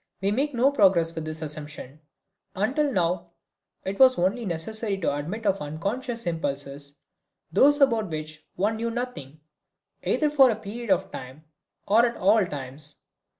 We make no progress with this assumption. Until now it was only necessary to admit of unconscious impulses, those about which one knew nothing, either for a period of time or at all times.